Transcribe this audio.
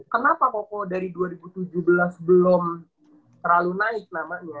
kenapa poko dari dua ribu tujuh belas belum terlalu naik namanya